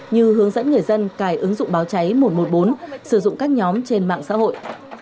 như hướng dẫn người dân cài ứng dụng báo cháy một trăm một mươi bốn sử dụng các nhóm trên mạng xã hội